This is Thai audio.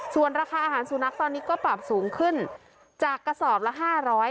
ส่วนราคาอาหารสุนัขตอนนี้ก็ปรับสูงขึ้นจากกระสอบละ๕๐๐บาท